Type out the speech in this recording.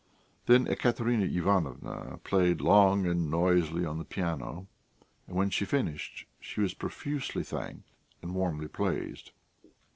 Then Ekaterina Ivanovna played long and noisily on the piano, and when she finished she was profusely thanked and warmly praised.